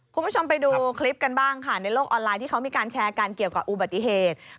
คุณผู้ชมไปดูคลิปกันบ้างค่ะในโลกออนไลน์ที่เขามีการแชร์กันเกี่ยวกับอุบัติเหตุ